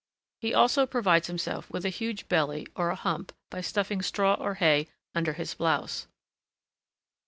He also provides himself with a huge belly or a hump by stuffing straw or hay under his blouse.